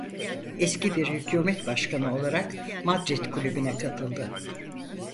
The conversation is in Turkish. Eski bir hükûmet başkanı olarak Madrid Kulübü'ne katıldı.